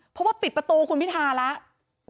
เพราะว่าปิดประตูคุณพิธาแล้ว